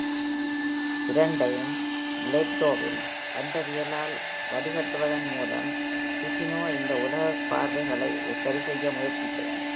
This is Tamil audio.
இரண்டையும் பிளேட்டோவின் அண்டவியலால் வடிகட்டுவதன் மூலம், ஃபிசினோ இந்த உலகக் பார்வைகளை சரிசெய்ய முயற்சிக்கிறார்.